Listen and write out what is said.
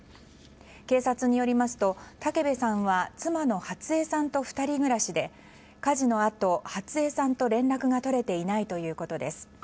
警察によりますと武部さんは妻の初枝さんと２人暮らしで火事のあと、初枝さんと連絡が取れていないということです。